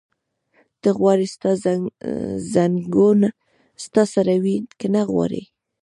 ته غواړې ستا ځنګون ستا سره وي؟ که نه غواړې؟